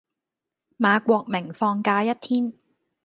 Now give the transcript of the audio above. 馬國明放假一天